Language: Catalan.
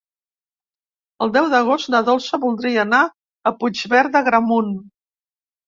El deu d'agost na Dolça voldria anar a Puigverd d'Agramunt.